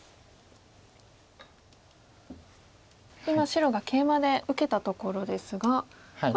今白がケイマで受けたところですが